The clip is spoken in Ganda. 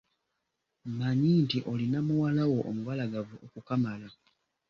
Mmanyi nti olina muwala wo omubalagavu okukamala.